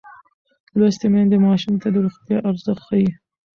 لوستې میندې ماشوم ته د روغتیا ارزښت ښيي.